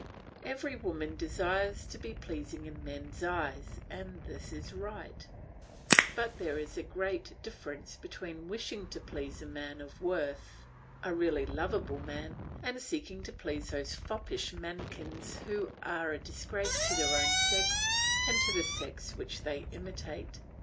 Every woman desires to be pleasing in men's eyes, and this is right; but there is a great difference between wishing to please a man of worth, a really lovable man, and seeking to please those foppish manikins who are a disgrace to their own sex and to the sex which they imitate.